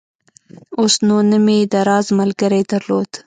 اوس نو نه مې د راز ملګرى درلود.